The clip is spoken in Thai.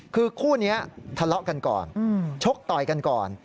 คือคู่นี้ทะเลาะกันก่อนชกต่อยกันก่อน